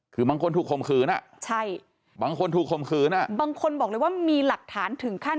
คือบางคนถูกข่มขืนอ่ะใช่บางคนถูกข่มขืนอ่ะบางคนบอกเลยว่ามีหลักฐานถึงขั้น